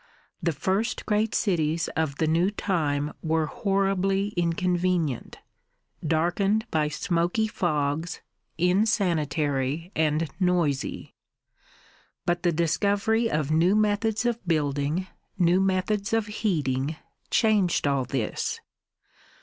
The first great cities of the new time were horribly inconvenient, darkened by smoky fogs, insanitary and noisy; but the discovery of new methods of building, new methods of heating, changed all this.